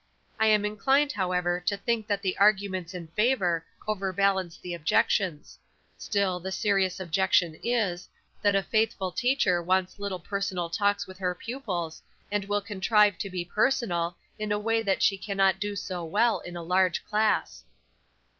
"I am inclined, however, to think that the arguments in favor overbalance the objections; still, the serious objection is, that a faithful teacher wants little personal talks with her pupils, and will contrive to be personal in a way that she cannot do so well in a large class."